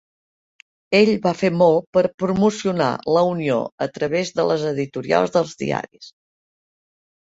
Ell va fer molt per promocionar la unió a través de les editorials dels diaris.